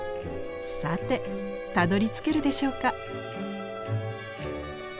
さてたどりつけるでしょうか？